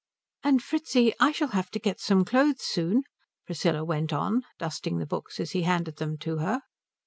"And Fritzi, I shall have to get some clothes soon," Priscilla went on, dusting the books as he handed them to her.